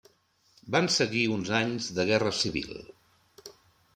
Van seguir uns anys de guerra civil.